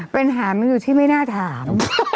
ปัญหามันอยู่ที่ไม่น่าถาม